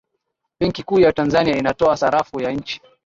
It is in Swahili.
benki kuu ya tanzania inatoa sarafu ya nchi